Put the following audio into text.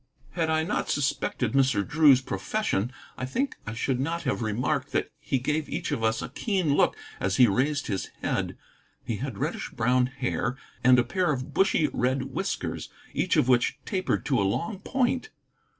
Had I not suspected Mr. Drew's profession, I think I should not have remarked that he gave each of us a keen look as he raised his head. He had reddish brown hair, and a pair of bushy red whiskers, each of which tapered to a long point.